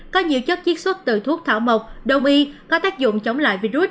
có nhiều chất chiết xuất từ thuốc thảo mộc đông y có tác dụng chống lại virus